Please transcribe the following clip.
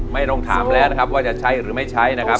ไม่ต้องถามแล้วนะครับว่าจะใช้หรือไม่ใช้นะครับ